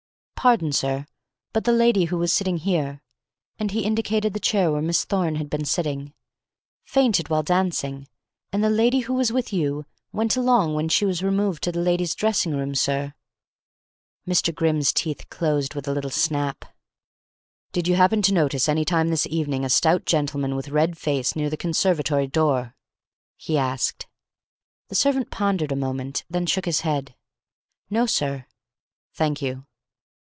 "Pardon, sir, but the lady who was sitting here," and he indicated the chair where Miss Thorne had been sitting, "fainted while dancing, and the lady who was with you went along when she was removed to the ladies' dressing room, sir." Mr. Grimm's teeth closed with a little snap. "Did you happen to notice any time this evening a stout gentleman, with red face, near the conservatory door?" he asked. The servant pondered a moment, then shook his head. "No, sir." "Thank you."